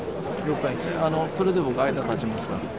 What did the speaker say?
それで僕間立ちますから。